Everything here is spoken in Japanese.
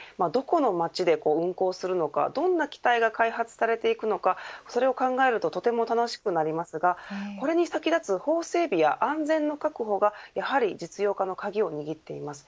どこの街で運航するのかどんな機体が開発されていくのかそれを考えるととても楽しくなりますがこれに先立つ法整備や安全確保がやはり実用化の鍵を握っています。